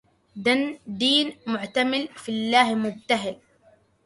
دن دين معتمل في الله مبتهل